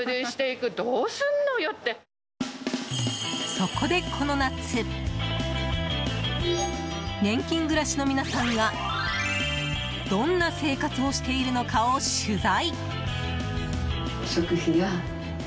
そこで、この夏年金暮らしの皆さんがどんな生活をしているのかを取材。